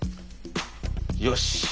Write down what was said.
よし。